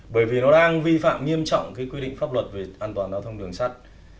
bởi vì nó đang vi phạm nghiêm trọng cái quy định pháp luật về an toàn giao thông đường sắt